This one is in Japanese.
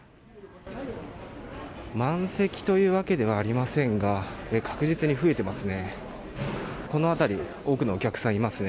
満席というわけではありませんが確実に増えていますね。